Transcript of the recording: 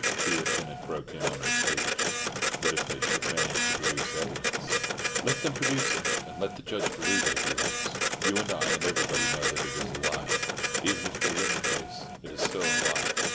Here Pinnock broke in on her speech. "But if they should manage to produce evidence—" "Let them produce it, and let the judge believe it if he likes. You and I and everybody know that it is a lie; even if they win the case, it is still a lie.